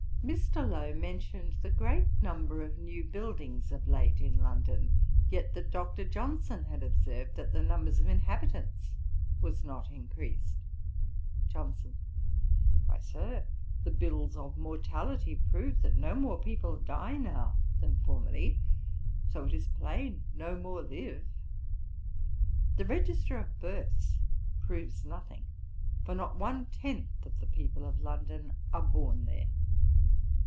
Mr. Lowe mentioned the great number of new buildings of late in London, yet that Dr. Johnson had observed, that the number of inhabitants was not increased. JOHNSON. 'Why, Sir, the bills of mortality prove that no more people die now than formerly; so it is plain no more live. The register of births proves nothing, for not one tenth of the people of London are born there.'